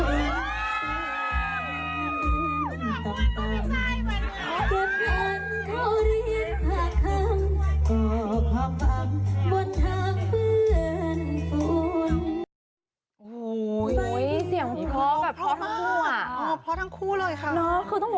เพื่อตัวร้อยเก่าโขดกระเป๋าใบเดียวติดเกิน